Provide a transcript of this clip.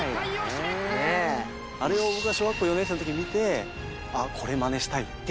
あれを僕が小学校４年生の時に見てあっこれマネしたいって。